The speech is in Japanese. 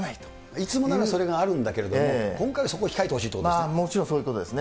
いつもならそれがあるんだけど、今回はそこを控えてほしいということですね。